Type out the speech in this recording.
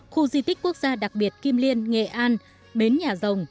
khu di tích quốc gia đặc biệt kim liên nghệ an bến nhà rồng